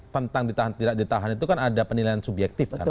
tentang ditahan tidak ditahan itu kan ada penilaian subjektif kan